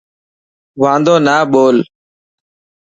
واندو نا ٻول.